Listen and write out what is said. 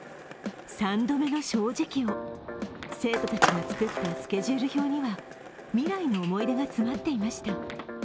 ３度目の正直を生徒たちが作ったスケジュール表には未来の思い出が詰まっていました。